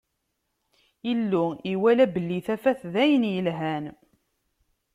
Illu iwala belli tafat d ayen yelhan.